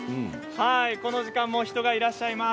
この時間も人がいらっしゃいます。